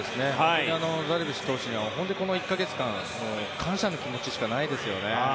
ダルビッシュ投手には本当にここ１か月間感謝の気持ちしかないですね。